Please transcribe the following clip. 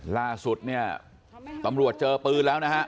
ล่าสุดเนี่ยตำรวจเจอปืนแล้วนะฮะ